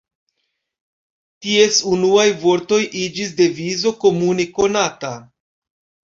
Ties unuaj vortoj iĝis devizo komune konata.